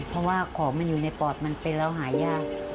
เพราะว่าของมันอยู่ในปอดมันเป็นแล้วหายาก